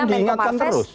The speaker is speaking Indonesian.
itu diingatkan terus